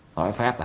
nói phát là